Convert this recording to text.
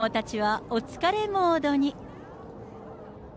子どもたちはお疲れモードに。